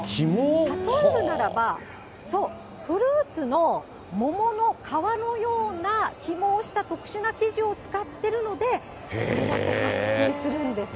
例えるならば、フルーツの桃の皮のような起毛した特殊な生地を使っているので、これだけはっ水するんですね。